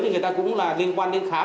thì người ta cũng là liên quan đến khám